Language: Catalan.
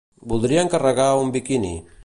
Voldria encarregar un biquini.